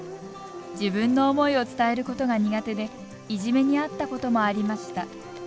自分の思いを伝えることが苦手でいじめにあったこともありました。